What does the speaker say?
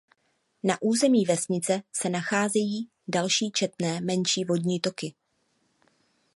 Na území vesnice se nacházejí další četné menší vodní toky.